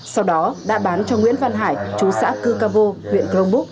sau đó đã bán cho nguyễn văn hải chú xã cư ca vô huyện crong búc